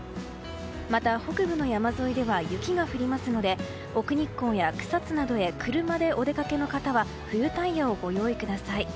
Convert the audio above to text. また、北部の山沿いでは雪が降りますので奥日光や草津などへ車でお出かけの方は冬タイヤをご用意ください。